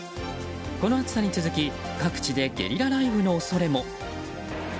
この暑さに続き各地でゲリラ雷雨の恐れも。